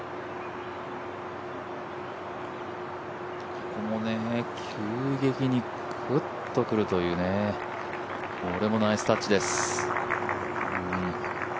ここも急激にクッとくるというね、これもナイスタッチです。